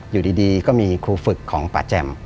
อยู่ดีก็มีครูฝึกของป่าแจ่ม